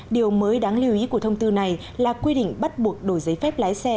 điều mới đáng lưu ý của thông tư này là quy định bắt buộc đổi giấy phép lái xe